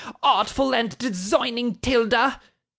Artful and designing 'Tilda!